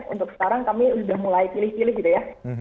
untuk sekarang kami sudah mulai pilih pilih gitu ya